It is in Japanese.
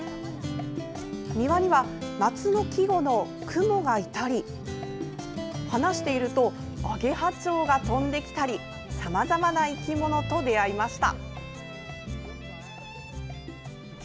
庭には夏の季語の蜘蛛がいたり話していると揚羽蝶が飛んできたりさまざまな生き物と出会いました。